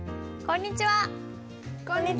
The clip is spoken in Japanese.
こんにちは！